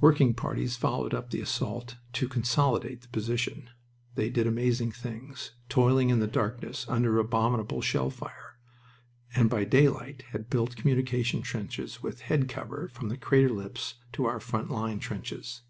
Working parties followed up the assault to "consolidate" the position. They did amazing things, toiling in the darkness under abominable shell fire, and by daylight had built communication trenches with head cover from the crater lips to our front line trenches.